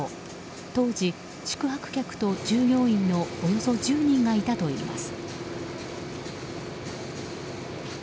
当時、宿泊客と従業員のおよそ１０人がいたといいます。